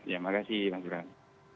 ya makasih mas bram